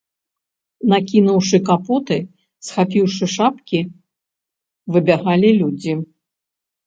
Накінуўшы капоты, схапіўшы шапкі, выбягалі людзі.